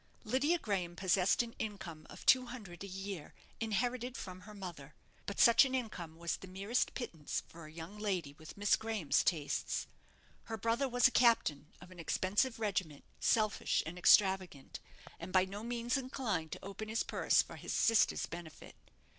Lydia Graham possessed an income of two hundred a year, inherited from her mother: but such an income was the merest pittance for a young lady with Miss Graham's tastes. Her brother was a captain of an expensive regiment, selfish and extravagant, and by no means inclined to open his purse for his sister's benefit.